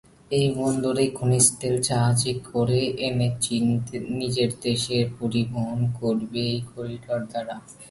এই বন্দরে খনিজ তেল জাহাজে করে এনে চীন নিজের দেশে পরিবহন করবে এই করিডর দ্বারা।